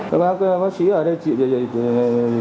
các bác sĩ ở đây chịu gì